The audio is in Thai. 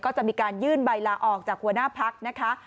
ก็จะมีการยื่นใบลาออกจากหัวหน้าพักนะคะ